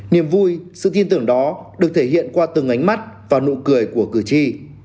niềm vui sự tin tưởng đó được thể hiện qua từng ánh mắt và nụ cười của cử tri